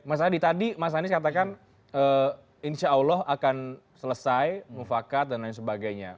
mas adi tadi mas anies katakan insya allah akan selesai mufakat dan lain sebagainya